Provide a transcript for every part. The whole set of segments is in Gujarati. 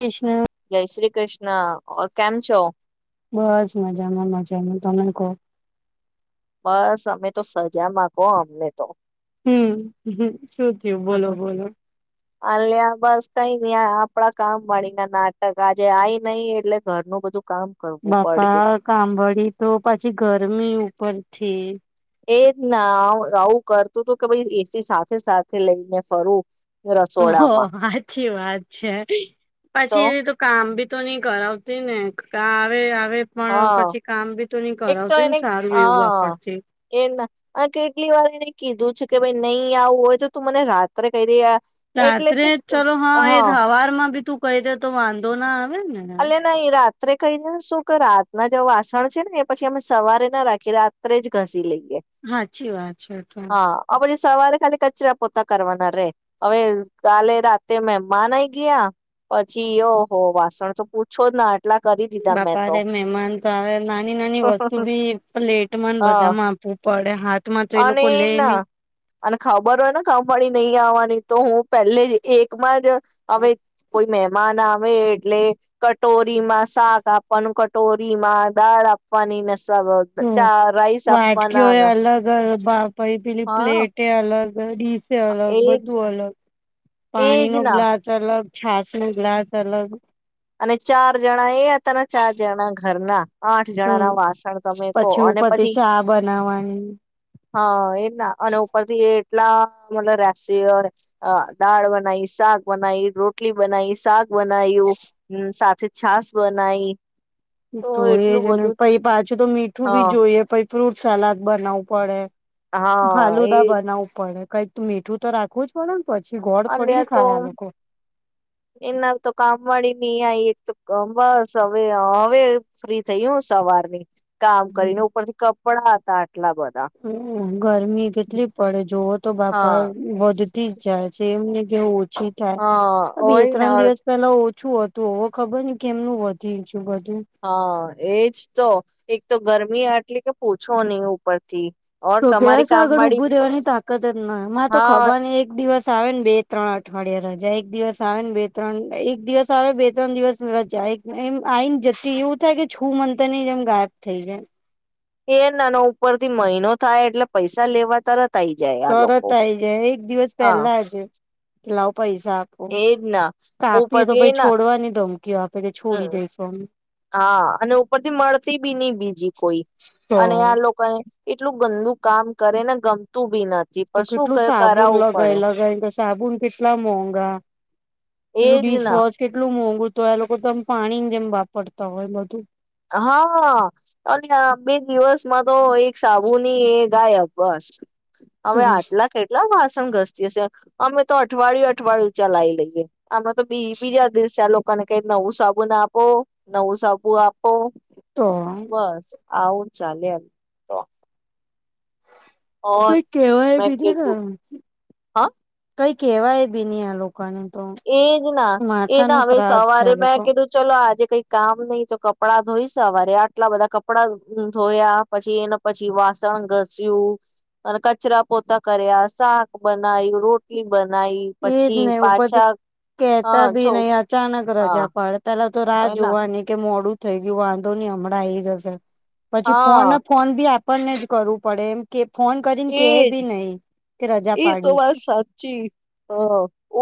કૃષ્ણ. જય શ્રી કૃષ્ણ કેમ છો. બસ મજામાં મજામાં તમે કો બસ અમે તો સજા માં કો અમને તો હમ હમ શું થયું બોલો બોલો અલે બસ કઈ નઈ આપડા કામ વાળીને નાટક આજે આઈ નહ એટલે ઘરનું બધું કામ કરવું પડ્યું બાપા કામંવાડી તો પાછી ગરમી ઉપર ઠી એજ ના આવું કરતું હતું કે એસી સાથે સાથે લઈને ફરું ઓ રસોડામાં હાછી વાત છે પછી એ તો કામ બી તો નઈ કરાવતી ને ક આવે પણ હા પછી કામ બી તો નહી એક તો કરાવતી ને એને સારું એવું હા આપડથી. એ આ કેટલી વાર એને કીધું છે કે ભાઈ નહી આવું હોય તો તું મને રાત્રે કહી દે યાર રાત્રે ચાલો હા એ હવાર માં બી તું કહી દે તો વાંધો ના આવે ને. અલ્ ન રાત રાત્રે કહીને શું કે રાતના જે વાસણ છે ને એ પછી અમે સવારે ના રાખી રાત્રે જ ઘસી લઈએ હાચી વાત છે હા પછી સવારે ખાલી કચરા પોતા કરવાના રે હવે કાલે રાતે મહેમાન આઈ ગયા પછી ઓ હો વાસણ તો પૂછો ના આટલા કરી દીધા મેં બાપા તો અરે મહેમાન તો નાની નાની વસ્તુ બી પ્લેટમાં હ બધામાં આપવું પડે હાથમાં તો એ લોકો અને લે ના નિ અને ખબર હોય ને કંપની નહી આવવાની તો હું પહેલે જ એકમાં જ હવે કોઈ મહેમાન આવે એટલે કટોરીમાં શાક આપવાનું, કટોરીમાં દાળ આપવાની ને તો ચા રઈસ આપવાના [unintelligible] પહી પીલી હા પ્લેટ અલગ દર ડીસે અલગ એજ બધું અલગ પાણી એજ નો ના લ્લાચ અલગ છાસ નું ગ્લાસ અલગ અને ચાર જણા એ હતા ને ચાર જણા ઘરના આઠ જણા હમ ના વાસણ તમે કો પછી અને ઉપરથી પછી ચા બનાવાની હા એના અને ઉપર થી એટલા મતલ રહેસી દાળ બનાવી, શાક બનાવી, રોટલી બનાવી, શાક બનાયું હમ્મ, સાથે છાસ બનાઈ તો એજ એટલું ને બધું પ પાછું તો મીઠું બી હા જોઈએ પ ફ્રૂટ સલાદ બનાવું પડે હા એ ફાલુદા બનાવવું પડે કંઈક તું મીઠું તો રાખવું જ પડે ને પછી ગોળ થોડી ને અલ્યા તો ખાય આ લોકો એના તો કામ વાડી નઈ આય [unintelligible] બસ હવે હવે ફ્રી થઈ સવારની. કામ કરીને હમ્મ ઉપરથી કપડા હતા આટલા બધા ગરમી કેટલી પડે જોવો તો હા બાપા વધતી જ જાય છે એમને કેવું ઓછી હા થાય, બે હોય ને ત્રણ દિવસ પેલા ઓ શું હતું હવે ખબર ને કે એમનું વધી જી હા, એજ તો એકતો ગરમી એટલે કે પૂછો ની ઉપરથી ઓર તો તમારી ગેસ કામ આગળ વાળી ઉભૂ રેવાની તાકત જ ના, મારે તો હા ખબર ને એક દિવસ આવે ને બે ત્રણ અઠ અઠવાડિયા રજા, એક દિવસ આવે ને બે ત્રણ, એક દિવસ આવે બે ત્રણ દિવસ રજા, એક એમ આઈને જસી એવું થાય કે છું મંતર ની જેમ ગાયબ થઈ જાય. એ નાના ઉપરથી મહિનો થાય એટલે પૈસા લેવા તરત આઈ જાય તરત આ લોકો આઈ જાય, એક દિવસ પહેલાજ. કે લાઉ એજના તો ઉપરથી એ પછ ના છોડવાની ધમકીઓ આપે કે છોડી હમ્મ દઈશું અમે હા અને ઉપરથી મળતી બી નઈ બીજી કોઈ અને આ તો લોકોને એટલું ગંદુ કામ કરે ને ગમતું બી નથ તો કેટલું સાબુન લગાય લગાય ને સ સાબુન કેટલા મોંઘા પેલું એજ ના ડિશવોશ કેટલું મોંઘું. તો એ લોકો તો આમ પાણી જેમ વાપરતા હોય બધું. હાઅઅ આ અને આ બે દિવસ માં તો એક સાબુ ની એક ગાયબ બસ. તો હવે આટલા કેટલાં વાસ ઘસ્તી હશે. અમે તો અઠવાડિયું અઠવાડિયું ચલાઈ લઈએ, અમે તો બી બીજા દિવસે લોકોને કઈ નવું સાબુન આપો નવું સાબુ આપ ઓ તો બસ. આવું ચાલ્યા તો ઓર કઈ કેવાય મેં બી નઈ કીધું ને હા કઈ કેવાય બી ની આ લોક એજ ના, એ ના નું હવે ત્રાસ છે સવારે આ મેં લોકો કીધું ચલો આજે કઈ કામ નઈ તો, કપડાં ધોઈશ સવારે આટલા બધા કપડા ધોયા. પછી એને પછી વાસણ ઘસ્યું, અને કચરા, પોતા કર્યા શાક બનાય રોટલી બનાઈ એજ પછી પા [inaudible] કેતા ભી નહી અચાનક હા રજા પાડે પહેલા તો રાહ એના જોવાની કે મોડું થઈ ગયું વાંધો નહી હમણાં આઈ જશે. પછી, ફોન હા ના ફોન બી આપે ને જ કરવું પડે એમ કે ફોન કરીને કેહે બી એજ નહી. કે રજા એ તો પાડી છે વાત સાચી. હ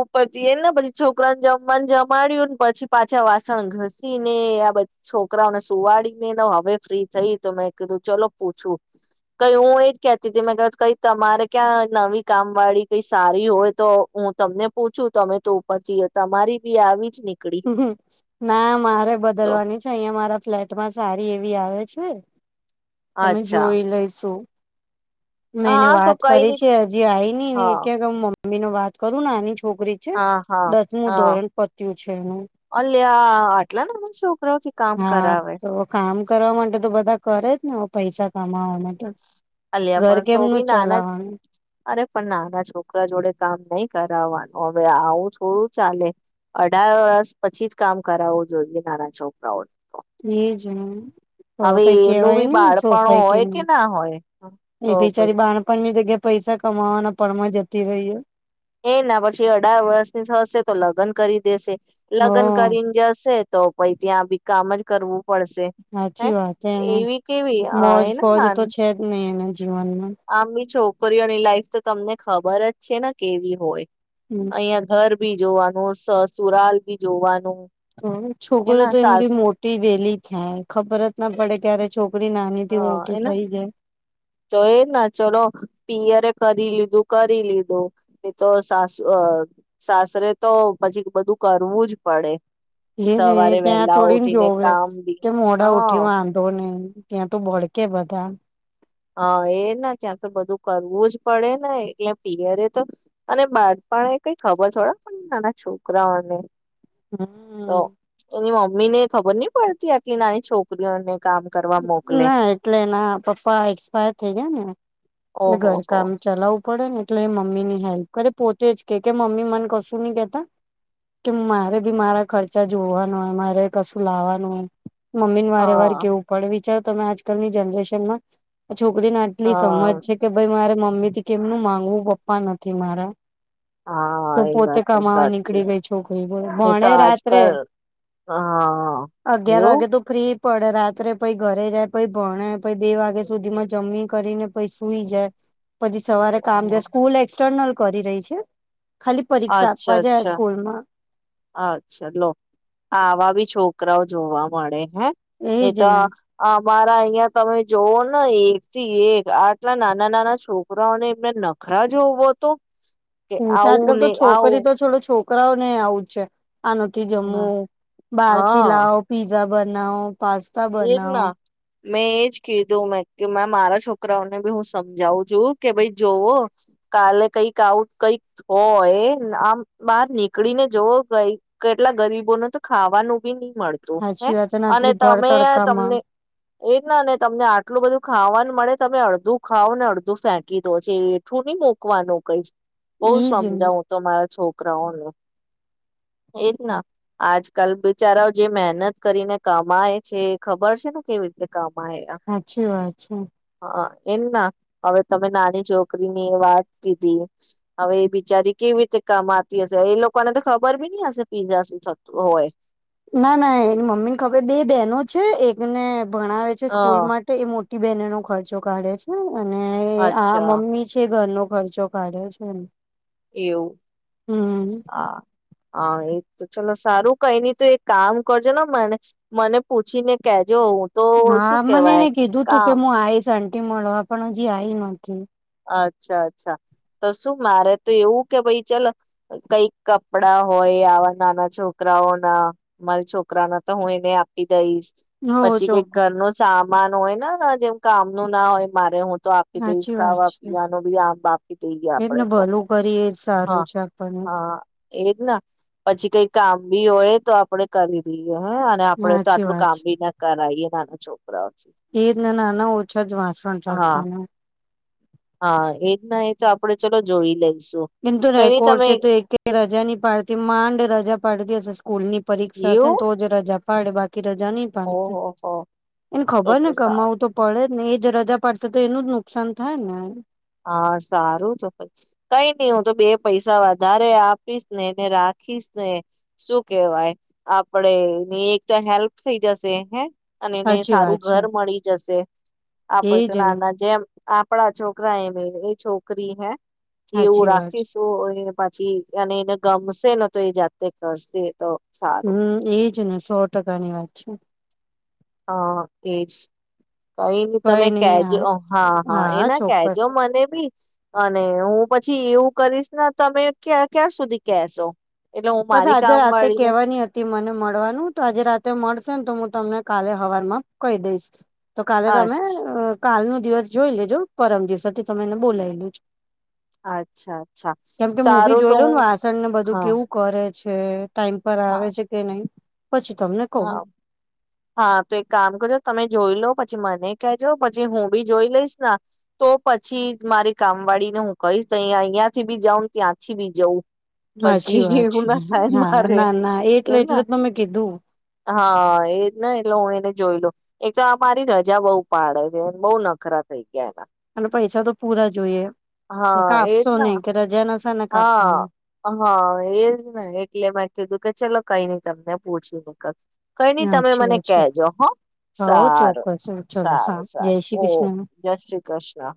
ઉપરથી એને પછી છોકરા ને જમવાને જમાડ્યું ને પછી, પાછા વાસણ ઘસી ને આ બધ છોકરાઓને સુવાડીનેને હવે ફ્રી થઈ તો, મેં કીધું ચલો પૂછું કઈ હું એ જ કતી તી મેં ક કઈ તમારે ક્યાં નવી કામ વાળી કઈ સારી હોય તો, હું તમને પૂછું, તમે તો ઉપરથી તમારી બી આવી. જ નીકળી ના મારે તો બદલવાની છે. અહિયાં મારા ફ્લેટમાં સારી એવી આવે છે. તમે અચ્છા જોઈ લઈેશો. મેં એને હા તો વાત કઈ કરી નઈ છે. હજી આઈ ની ને હા ક્યાંક મમ્મી મમ્મીને વાત કરું ને એના છોકરી છે. હા હા દસમું હા ધોરણ પત્યું. છે ઐવું. અલ્યા આટલા નાના છોકરાઓથી કામ હા કરાવે તો કામ કરવા માટે તો બધા કરે જ ને પૈસા કમાવાવામાં તો અલ્યા ઘર પણ તો બી કેેમનું નાના ચલાવાનું--? અરે પણ નાના છોકરા જોડે કામ નઈ કરાવવાનું, હવે આવું થોડું ચાલે અઢાર વર્ષ પછી જ કામ કરાવવું જોઈએ, નાના છોકરાઓ એ. એજન. હવે એમનું બી બાળપણ હોય કે નું ના હોય એ તો બિચારી પણ બાણપણની જગ્યા પૈસા કમાવાના પણમાં જતી રહી એ. એ ના પછી અઢાર વર્ષની થશે તો લગ્ન કરી દેશે. હ લગ્ન કરીને જશે તો પહી ત્યાં બી કામ જ કરવું પડશે હે સાચી વાત. એને એવી કેવી અ મોજ ફોજ એના તો છે જ નઈ એને આમ ભી છોકરીઓની લાઈફ તો તમને ખબર જ છે ના કેવી હોય. હમ અહિયાં ઘર બી જોવાનું સસુુરાલ ભી જોવાનું. તો છોકરી હેના તો એમ સાસ બી મોટી વેલી થાય, ખબર જ ના પડે ક્યારે છોકરી નાની થી હા મોટી હેના થઈ જાય. તો એ જ ના, ચલો પિયરે કરી લીધું-કરી લીધું, એ તો હવે સાસ અહ સાસરે તો પછી બધું કરવું જ પડે. એને સવારે ત્યાં વહેલા થોડીન ઉઠીને જોવે, કામ બી કે મોડા હા ઉઠી વાંધો નહી. ત્યાં તો ભળકે બધા. હા, એ છ ના, ત્યાં તો બધું કરવું જ પડે ને, એટલે પિયરે તો અને બાળપણ એ કઈ ખબર થોડા, નાના છોકરાઓને તો હમ એની મમ્મી ને ખબર નહી પડતી આટલી નાની છોકરીઓને કામ કરવા મોકલે ના એટલે એના પપ્પા પા એક્સપાયર થઈ ગયા ને એમ. એટલે ઓહો ઘર હો કામ ચલાવવું પડે ને એટલે મમ્મી ની હેલ્પ કરે પોતે જ કે કે મમ્મી મને કશું નહી કેતા કે મારે બી મારા ખર્ચા જોવાનું હોય, મારે કશું લાવવાનું હોય. મમ્મીને વારે વાર હા કેવું વિચારો તમે આજકાલની જનરેશનમાં છોકરીને આટલી સમજ હા છે કે ભઈ મારે મ મમ્મી થી કેમનું માંગવું પપ્પા નથી મારા. હા તો એ પોતે વાત તો કમાવા સાચી નીકળી ગઈ છોકરી બોલો. નહી તો ભણે રાત્રે, આજકાલ હા અગિયાર એવું વાગે તો ફ્રી પડે રાત્રે પહી ઘરે જ જાય, પહી ભણે, પહી બે વાગ્યા સુધી માં જમી કરીને પહી સુઈ જાય. પછી સવારે કામ જ સ્કૂલ એક્સટર્નલ કરી રહી છે. ખાલી પરીક્ષા આપવા અચ્છા જાય અચ્છા સ્કૂલમાં. અચ્છા લો આવા બી છોકરાઓ જોવા મળે. હે નહીં એજ તો ને અહ મારા અહિયાં તમે જોવો ને એક થી એક આટલા નાના-નાના છોકરાઓને એમને નખરા જોવો તો. કે હું છે આવું આજકાલ તો ને છોકરી આવું તો છોડો છોક છોકરાઓ ને આવું છે આનથી જમવુ બારથી હા લાવ પીઝા બનાવ પાસ્તા એજ બનાવ ના મેં એજ કીધું મેં કે મારા છોકરાઓને બી હું સમજાવું છું કે ભાઈ જોવો કાલે કઈક આવું કઈક હોય આમ બહાર નીકળી ને જવો કઈ કેટલા ગરીબોને તો ખાવાનું બી નહી મળતું હે સાચી વાત ને અને આટલી તો ભર અમે તડકામાં તમને એ જ નાને તમને આટલું બધું ખાવાનું મળે તમે અડધું ખાવ ને અડધું ફેંકી દો છે એઠું નહી મુકવાનું કઈ બઉ એજ ને. સમજાવું તમારા છોકરા એજ ના આજકાલ બિચારાઓ જે મહેનત કરીને કમાય છે ખબર છે ને કેવી રીતે કામ હાચી વાત છે એમ ના હવે તમે નાની છોકરીની વાત કીધી હવે એ બિચારી કેવી રીતે કમાતી હશે એ લોકોને તો ખબર બી નઈ હશે પીઝા શું થતું હોય ના ના એની મમ્મી ને ખબે બે બેહેનો છે એકને ભણાવે છે સ્કૂલ હા માટે એ મો બેનનો ખર્ચો કાઢે છે અને આ અચ્છા મમ્મી છે ઘરનો ખર્ચો કાઢ્યો છે એવું હમ હા હા એ તો ચલો સારું કઈ નની તો એ કામ કરજો ને મને મને પૂછી ને કે હા મને એને કીધું તું કે કામ હું આવીઈશ આન મળવા પણ હજી આઈ નથી અચ્છા, અચ્છા તો શું મારે તો એવું કે ભાઈ ચાલ કઈક કપડા હોય આવા નાના છોકરાઓના મારા છોકરાના તો હું એને આપી જઈશ હો પછી ચોક કઈક ઘર ન સામાન હોય ને ના, ના, જેમ કામ નું ના હોય મારે હું તો આપી દઈશ ખાવા પીવાનું બી આમ આપી દઈએ એને આપડે તો ભલું કરીએ જ સારું હા છે આપણને તો હા એજ ના પછી કઈ કામ બી હોય તો આપડે કરી રઈએ હે અને આપડે તો આટલું કામ બી ના કરીએ. માંગુ છો એ જને નાના ઓછા જ વાસણ હા રાખવાનું હા એજ ના એ તો આપડે ચલો જોઈ લઈએ એમ તો રેકોડ છે, તો એક રજા ની પાડતી માંડ રજા પાડતી હશે સ્કૂલ ની પરીક્ષા હશેને એવું તો જ રજા પાડ બા કે રજા નહી પાડતી ઓહોહો એને તો ખબર ને તો સારું કમાવું તો પડે ને એજ રજા પડશે તો એનું જ નુકસાન થાય ને હા સારું તો કઈ નઈ હું તો બે પૈસા વધારે આપીશ ને એને રાખીશ ને શું કેવાય આપડે એની એક તો હેલ્પ થઇ જશે હે અને એને સાચી સારું વાત છે ઘર મળી જશે આપડ તો એજ ને નાના જેમ આપણા છો કરા એયમે એ છોકરી હૈ એવું સાચી વાત છે રાખીશું પછી અને એને ગમશે નને તો એ જાતે કરશે તો સારું હમ એજ ને સો ટકાની વાત છે હા એજ કઈ તમે કેજો હા હા એના કેજો મને બી અને હું પછી એવું કરીશ ને તમે ક્યા ક્યાં સુધી કેશો? એટલે હું બસ મારી આજે કામ રાતે વાળી નું કેવાની હતી મને મળવાનું તો આજે રાતે મળશે ને તો તમને કાલે હવાર માં કહી દઈશ. તો કાલે તમે અ અચ્છા કાલ નો દિવસ જોઈ લેજો પરમ દિવસથી તમે એને બોલાવી લ લોજો. અચ્છા અચ્છા, હું બી સારું તો જોઈ લઉ ને હું વાસણ ને બધું હા કેવું કરે છે. ટાઈમ પર આવે હા છે કે નહી? પછી તમને કહું હા હા તો એક કામ કરજો તમે જોઈ લો પછી પછી મને કેજો પછી હું બી જોઈ લઈશ ના, તો પછી મારી કામ વાળી ને હું કહીશ તો અ અહિયાં થી બી જાઉં ત્યાંથી બી જઉં. સાચી પછી વાત એવું છે ના થાય હા મારે ના ના એટલે એને એટલે ત મેમે કીધું હા એજ એટલે હું એને જોઈ લઉ, એક તો આ મારી રજા બઉુ પાડે છે બહુ નખરા થઈ ગ અને પૈસા તો પૂરા જોઈએ હા એજ કાપશો ના, નહી કે રજા નશા ને હા કાપવાના હા એજ ને એટલે મેં કીધું કે ચલો કઈ નઈ તમને પૂછ્યું. કા કઈ નહી તમે સાચી મને વાત છે કહેજો હ, હવ સારું ચોક્કસ ચલો હા સારું જય સારું શ્રી ઓ કૃષ્ણ જય શ્રી કૃષ્ણ.